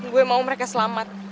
gue mau mereka selamat